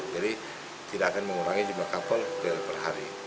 jadi tidak akan mengurangi jika kapal berhari